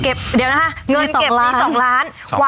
เดี๋ยวนะคะเงินเก็บมี๒ล้าน